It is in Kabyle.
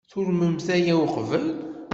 Turmemt aya uqbel?